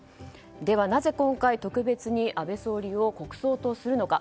ではなぜ今回、特別に安倍総理を国葬とするのか。